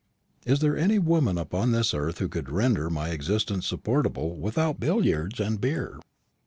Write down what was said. Is there any woman upon this earth who could render my existence supportable without billiards and beer?"